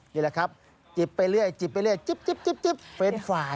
นี่แหละครับจิบไปเรื่อยจิบไปเรื่อยจิ๊บเป็นฝ่าย